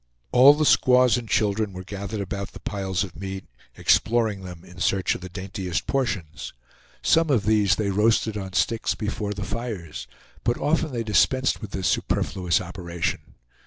All the squaws and children were gathered about the piles of meat, exploring them in search of the daintiest portions. Some of these they roasted on sticks before the fires, but often they dispensed with this superfluous operation.